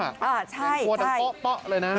กลัวกลอยเลยนะ